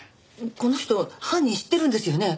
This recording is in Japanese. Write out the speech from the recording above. この人犯人知ってるんですよね？